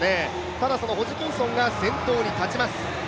ただそのホジキンソンが先頭に立ちます。